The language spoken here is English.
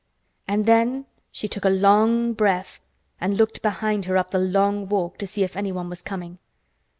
And then she took a long breath and looked behind her up the long walk to see if anyone was coming.